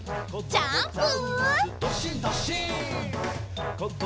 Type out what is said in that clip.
ジャンプ！